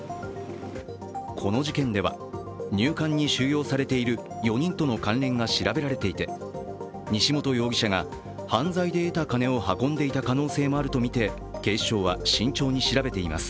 この事件では、入管に収容されている４人との関連が調べられていて西本容疑者が犯罪で得た金を運んでいた可能性もあるとみて警視庁は慎重に調べています。